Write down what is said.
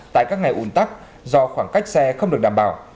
tại các ngày un tắc do khoảng cách xe không được đảm bảo